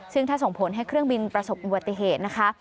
ซึ่งถ้าส่งผลให้เครื่องบินประสบอุบัติเหตุนะคะ